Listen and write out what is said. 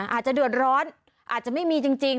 อาจจะเดือดร้อนอาจจะไม่มีจริง